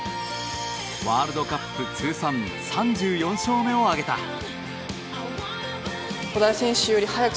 ワールドカップ通算３４勝目を挙げた。